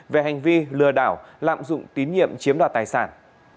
về hành vi lừa đảo lạm dụng tín nhiệm chiếm đoạt tài sản